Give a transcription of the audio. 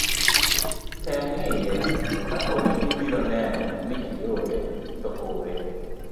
tem ng'iye kapo ni ibiro neno ni iore, to ore.